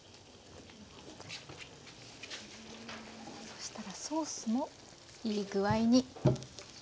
そしたらソースもいい具合に。